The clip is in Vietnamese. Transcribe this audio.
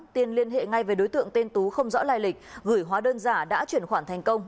tiên liên hệ ngay với đối tượng tên tú không rõ lai lịch gửi hóa đơn giả đã chuyển khoản thành công